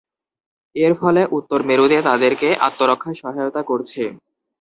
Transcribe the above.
এরফলে উত্তর মেরুতে তাদেরকে আত্মরক্ষায় সহায়তা করছে।